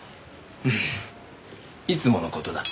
うんいつもの事だ。